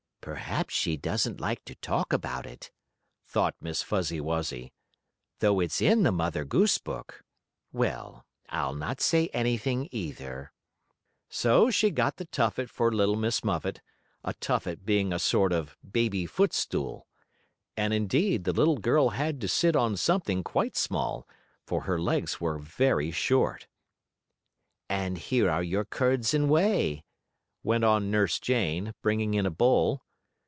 "Perhaps she doesn't like to talk about it," thought Miss Fuzzy Wuzzy, "though it's in the Mother Goose book. Well, I'll not say anything, either." So she got the tuffet for little Miss Muffet; a tuffet being a sort of baby footstool. And, indeed, the little girl had to sit on something quite small, for her legs were very short. "And here are your curds and whey," went on Nurse Jane, bringing in a bowl.